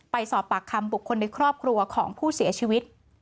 ไปสอบปากคำบุคคลในครอบครัวของผู้เสียชีวิต